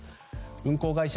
運航会社